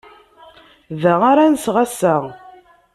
Da ara nseɣ ass-a.